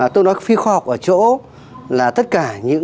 tôi nói phi khoa học ở chỗ là tất cả những